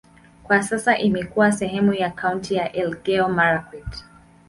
Kwa sasa imekuwa sehemu ya kaunti ya Elgeyo-Marakwet.